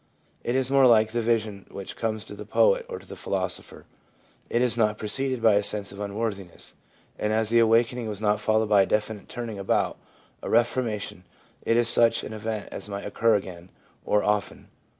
It is more like the vision which comes to the poet or to the philosopher; it was not preceded by a sense of unworthiness, and as the awak ening was not followed by a definite turning about, a reformation, it is such an event as might occur again, or often.